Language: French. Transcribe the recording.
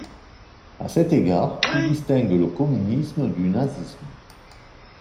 À cet égard, tout distingue le communisme du nazisme.